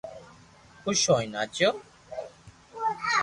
خوݾ ھئين ناچيو